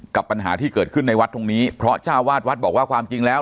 ปัญหาที่เกิดขึ้นในวัดตรงนี้เพราะเจ้าวาดวัดบอกว่าความจริงแล้ว